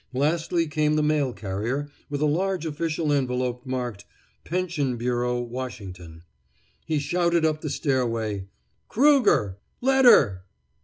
Lastly came the mail carrier with a large official envelop marked, "Pension Bureau, Washington." He shouted up the stairway: "Krueger! Letter!"